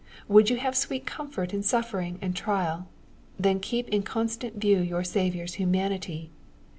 Would you have sweet comfort in suffering and trial ? Then keep in constant view your Saviour's humanity.